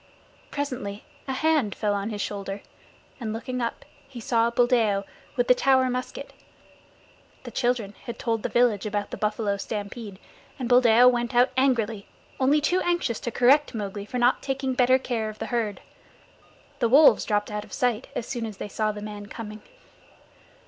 Presently a hand fell on his shoulder, and looking up he saw Buldeo with the Tower musket. The children had told the village about the buffalo stampede, and Buldeo went out angrily, only too anxious to correct Mowgli for not taking better care of the herd. The wolves dropped out of sight as soon as they saw the man coming.